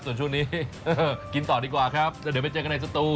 ส่วนช่วงนี้กินต่อดีกว่าครับแล้วเดี๋ยวไปเจอกันในสตู